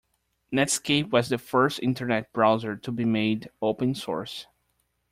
Netscape was the first internet browser to be made open source.